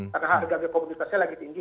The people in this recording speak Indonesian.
karena harga komunitasnya lagi tinggi